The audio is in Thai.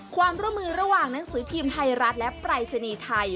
ความร่วมมือระหว่างหนังสือพิมพ์ไทยรัฐและปรายศนีย์ไทย